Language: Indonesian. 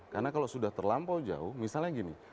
karena kalau sudah terlampau jauh misalnya gini